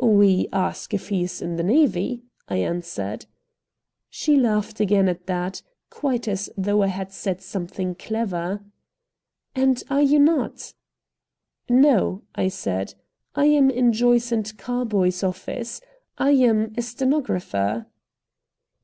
"We ask if he is in the navy," I answered. She laughed again at that, quite as though I had said something clever. "And you are not?" "No," I said, "I am in Joyce & Carboy's office. I am a stenographer."